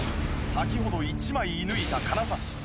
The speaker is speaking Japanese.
先ほど１枚射抜いた金指。